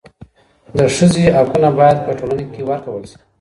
د ښځي حقونه باید په ټولنه کي ورکول سي.